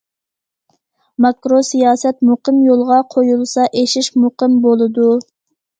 ماكرو سىياسەت مۇقىم يولغا قويۇلسا، ئېشىش مۇقىم بولىدۇ.